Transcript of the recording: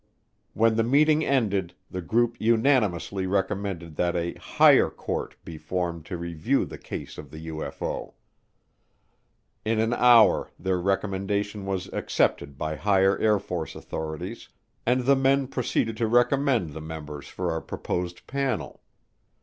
When the meeting ended, the group unanimously recommended that a "higher court" be formed to review the case of the UFO. In an hour their recommendation was accepted by higher Air Force authorities, and the men proceeded to recommend the members for our proposed panel.